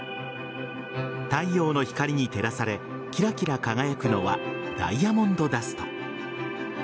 太陽の光に照らされキラキラ輝くのはダイヤモンドダスト。